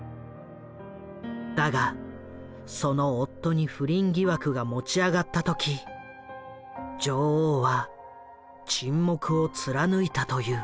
だがその夫に不倫疑惑が持ち上がった時女王は沈黙を貫いたという。